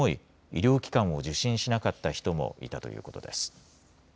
医療機関を受診しなかった人もいたということです。